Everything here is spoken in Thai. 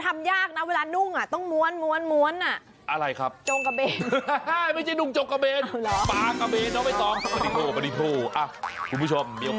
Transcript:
ม้วนอ่ะจงกระเบน